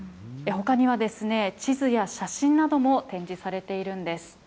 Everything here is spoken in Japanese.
ほかには、地図や写真なども展示されているんです。